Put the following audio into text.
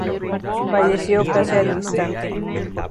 Falleció casi al instante.